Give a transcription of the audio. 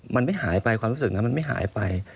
มันไม่หายไปความรู้สึกนั้นมันไม่หายไป